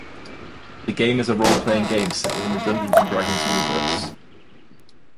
The game is a role-playing game set within the "Dungeons and Dragons" universe.